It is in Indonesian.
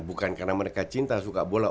bukan karena mereka cinta suka bola